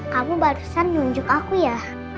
kamu barusan nunjuk aku ya